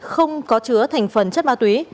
không có chứa thành phần chất má túy